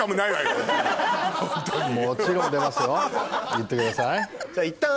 言ってください。